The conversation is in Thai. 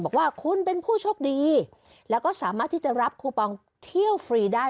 บอกว่าคุณเป็นผู้โชคดีแล้วก็สามารถที่จะรับคูปองเที่ยวฟรีได้